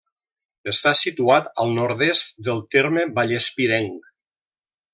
Està situat al nord-est del terme vallespirenc.